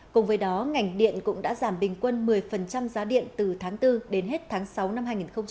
cùng với đó ngành điện cũng đã giảm bình quân một mươi giá điện từ tháng bốn đến hết tháng sáu năm hai nghìn hai mươi